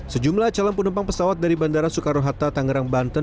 sejumlah calon penumpang pesawat dari bandara soekarohata tangerang banten